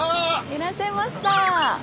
いらっしゃいました！